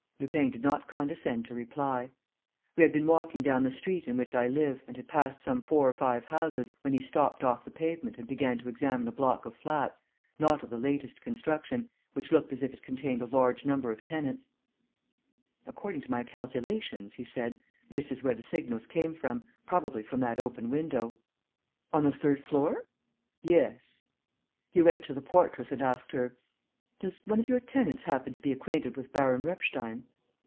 Lupin did not condescend to reply. We had been walking down the street in which I live and had passed some four or five houses, when he stepped off the pavement and began to examine a block of flats, not of the latest construction, which looked as if it contained a large number of tenants: "According to my calculations," he said, "this is where the signals came from, probably from that open window." "On the third floor?" "Yes." He went to the portress and asked her: "Does one of your tenants happen to be acquainted with Baron Repstein?"